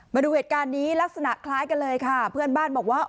มาดูเหตุการณ์นี้ลักษณะคล้ายกันเลยค่ะเพื่อนบ้านบอกว่า